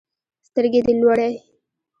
سترګي دي لوړی